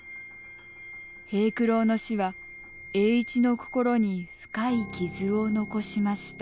平九郎の死は栄一の心に深い傷を残しました。